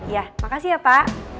ya makasih ya pak